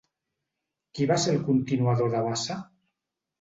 Qui va ser el continuador de Bassa?